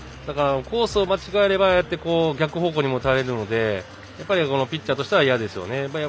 コースを間違えると逆方向にも打たれるのでやっぱり、ピッチャーとしては嫌ですよね。